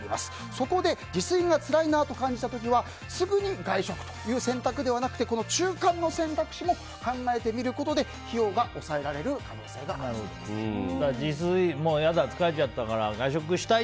そこで自炊がつらいなと感じた時はすぐに外食という選択ではなくて中間の選択肢も考えてみることで費用が抑えられる可能性が自炊嫌だ、疲れちゃったから外食したい！